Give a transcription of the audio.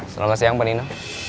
selamat siang panino